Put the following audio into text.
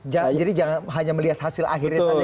jadi jangan hanya melihat hasil akhirnya saja gitu mas